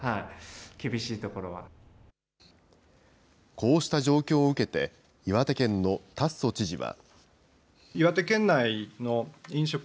こうした状況を受けて、岩手県の達増知事は。